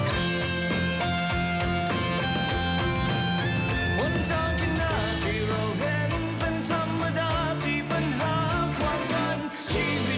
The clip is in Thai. แม้ว่าเราปากใจ